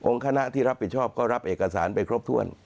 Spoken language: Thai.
คณะที่รับผิดชอบก็รับเอกสารไปครบถ้วน